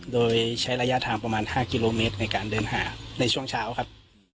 โดยใช้ระยะทางประมาณ๕กิโลเมตรในการเดินหาในช่วงเช้าครับ